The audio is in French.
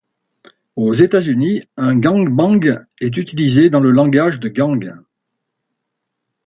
Aux États-Unis, un gangbang est utilisé dans le langage de gang.